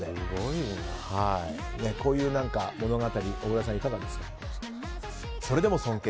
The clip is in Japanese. こういう物語小倉さん、いかがですか。